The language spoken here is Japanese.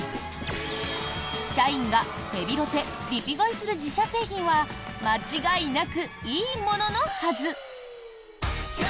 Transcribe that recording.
社員がヘビロテリピ買いする自社製品は間違いなくいいもののはず！